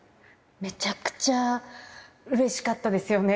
めちゃくちゃうれしかったですよね。